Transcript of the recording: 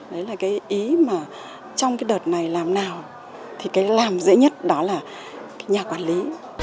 đấy là cái ý mà trong cái đợt này làm nào thì cái làm dễ nhất đó là nhà quản lý